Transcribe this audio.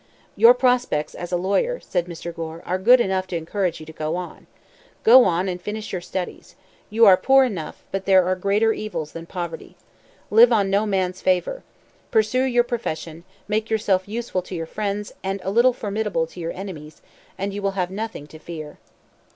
"Your prospects as a lawyer," said Mr. Gore, "are good enough to encourage you to go on. Go on, and finish your studies. You are poor enough, but there are greater evils than poverty. Live on no man's favor. Pursue your profession; make yourself useful to your friends and a little formidable to your enemies, and you have nothing to fear."